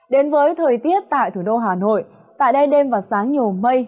đến với thời tiết tại thủ đô hà nội tại đây đêm và sáng nhiều mây